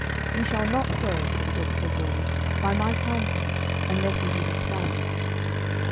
"Ye shall not so," said Sir Bors, "by my counsel, unless ye be disguised."